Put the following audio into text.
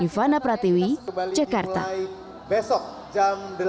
divana pratwi jakarta